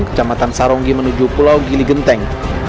kecamatan saronggi menuju pulau gili genteng